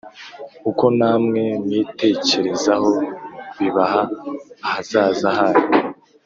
uko namwe mwitekerezaho bibaha ahazaza hanyu